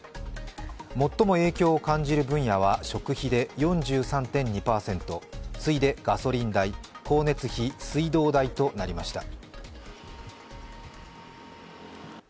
最も影響を感じる分野は食費で４３．２％、次いで、ガソリン代光熱費・水道代となりました。